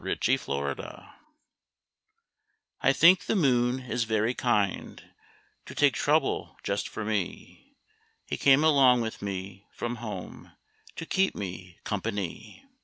II The Kind Moon I think the moon is very kind To take such trouble just for me. He came along with me from home To keep me company.